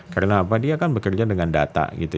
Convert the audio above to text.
karena apa dia kan bekerja dengan data gitu